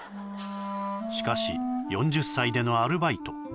しかし４０歳でのアルバイト